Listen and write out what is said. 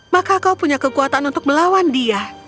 maka kau punya kekuatan untuk melawan dia